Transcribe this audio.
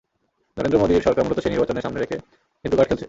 নরেন্দ্র মোদির সরকার মূলত সেই নির্বাচন সামনে রেখে হিন্দু কার্ড খেলছে।